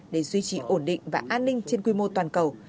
để duy trì ổn định và an ninh trên quy mô toàn cầu